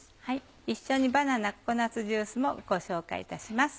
一緒に「バナナココナッツジュース」もご紹介いたします。